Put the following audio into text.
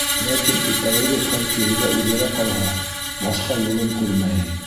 Ләкин экологик хәл кирегә үҙгәрә ҡалһа, башҡа юлын күрмәйем.